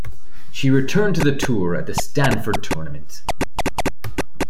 She returned to the tour at the Stanford tournament.